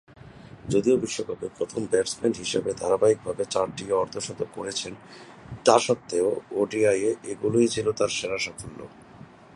যদিও বিশ্বকাপে প্রথম ব্যাটসম্যান হিসেবে ধারাবাহিকভাবে চারটি অর্ধ-শতক করেছেন, তা স্বত্ত্বেও ওডিআইয়ে এগুলোই ছিল তার সেরা সাফল্য।